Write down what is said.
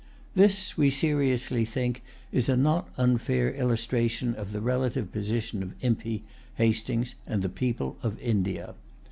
This, we seriously think, is a not unfair illustration of the relative position of Impey, Hastings, and the people of India.